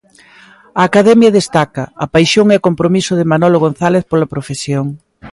A Academia destaca "a paixón e compromiso de Manolo González pola profesión".